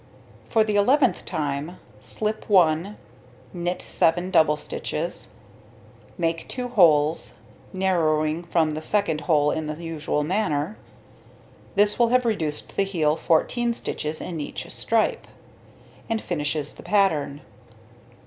For the 11th time: slip 1, knit 7 double stitches, make 2 holes, narrowing from the 2d hole in the usual manner; this will have reduced the heel 14 stitches in each stripe, and finishes the pattern.